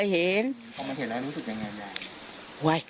เข้ามาเห็นแล้วรู้สึกยังไงยาย